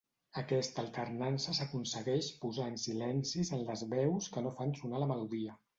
Aquesta alternança s'aconsegueix posant silencis en les veus que no fan sonar la melodia.